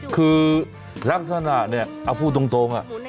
คือลักษณะเนี่ยพูดตรงอ่ะ